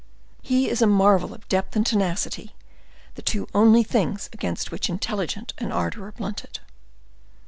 He is a marvel of depth and tenacity, the two only things against which intelligence and ardor are blunted.